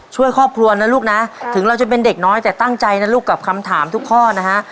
ช่วยครอบครัวนะลูกนะถึงเราจะเป็นเด็กน้อยแต่ตั้งใจนะลูกกับคำถามทุกข้อนะฮะ